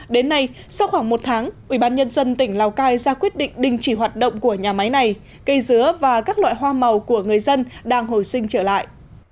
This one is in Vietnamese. đến nay sau khoảng một tháng ubnd tỉnh lào cai ra quyết định đình chỉ hoạt động của nhà máy này cây dứa và các loại hoa màu của người dân đang hồi sinh trở lại